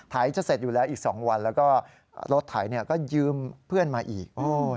จะเสร็จอยู่แล้วอีก๒วันแล้วก็รถไถก็ยืมเพื่อนมาอีก